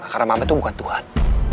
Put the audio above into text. karena mama itu bukan tuhan